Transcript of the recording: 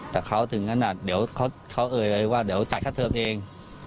แต่เขาถึงขนาดเดี๋ยวเขาเอ่ยว่าเดี๋ยวจ่ายค่าเทอมเอง